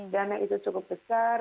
dana itu cukup besar